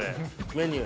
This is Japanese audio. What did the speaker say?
メニュー。